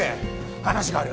話がある。